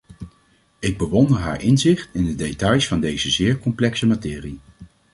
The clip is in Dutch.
Ik bewonder haar inzicht in de details van deze zeer complexe materie.